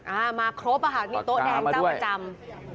อ่ามาครบอะค่ะนี่โต๊ะแดงเจ้าประจำ